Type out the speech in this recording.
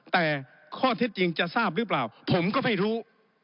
แต่ข้อเท็จจริงจะทราบหรือเปล่าผมก็ไม่รู้